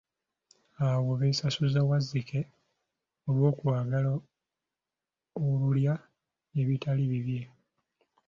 Awo beesasuza Wazzike olw’okwagala olulya ebitali bibye.